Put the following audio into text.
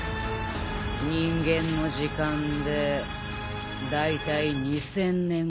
人間の時間でだいたい２０００年後だ。